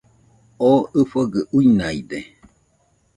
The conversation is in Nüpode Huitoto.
Oo ɨfogɨ uinaide